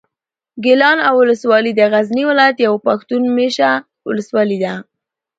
ګیلان اولسوالي د غزني ولایت یوه پښتون مېشته اولسوالي ده.